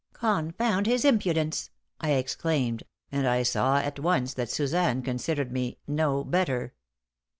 "Confound his impudence!" I exclaimed, and I saw at once that Suzanne considered me "no better."